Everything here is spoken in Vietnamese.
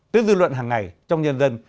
tới dư luận hàng ngày trong nhân dân